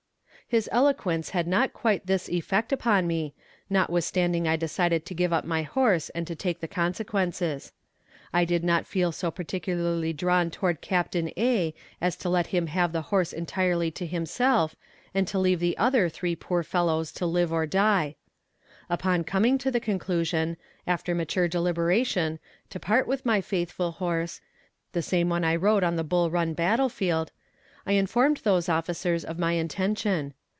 His eloquence had not quite this effect upon me, notwithstanding I decided to give up my horse and to take the consequences. I did not feel so particularly drawn toward Captain A. as to let him have the horse entirely to himself, and to leave the other three poor fellows to live or die. Upon coming to the conclusion, after mature deliberation, to part with my faithful horse, the same one I rode on the Bull Run battle field, I informed those officers of my intention.